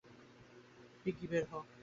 Piggy, বের হও।